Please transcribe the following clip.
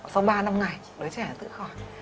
sau ba năm ngày đứa trẻ tự khỏi